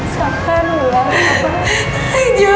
sakar lah kenapa